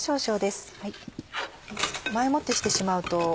前もってしてしまうと。